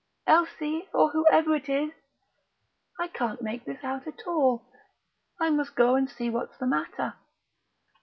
Elsie, or whoever it is!... I can't make this out at all. I must go and see what's the matter...."